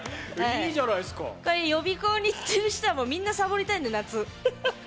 これは予備校に行っている人みんなサボりたいんです、夏。